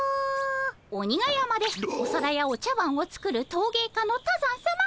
鬼が山でお皿やお茶わんを作るとうげい家の多山さま